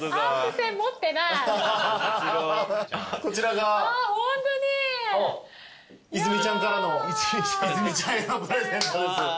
泉ちゃんからの泉ちゃんへのプレゼントです。